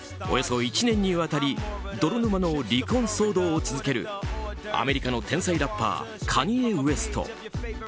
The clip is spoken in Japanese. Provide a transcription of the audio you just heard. およそ１年にわたり泥沼の離婚騒動を続けるアメリカの天才ラッパーカニエ・ウェスト。